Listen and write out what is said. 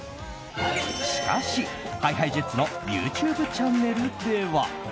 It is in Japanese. しかし、ＨｉＨｉＪｅｔｓのＹｏｕＴｕｂｅチャンネルでは。